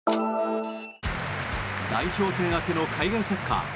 代表戦明けの海外サッカー。